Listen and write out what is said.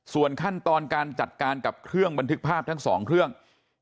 ส่วนขั้นตอนการจัดการกับเครื่องบันทึกภาพทั้งสองเครื่อง